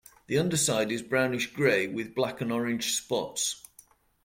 The underside is brownish grey with black and orange spots.